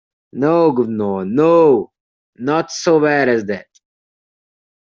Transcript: No, guv'nor, no; not so bad as that.